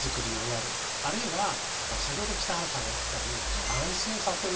あるいは先ほど北原さんが言ってたように安心させる。